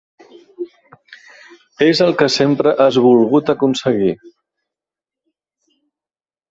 És el que sempre has volgut aconseguir.